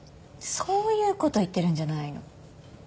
そういうこと言ってるんじゃないの。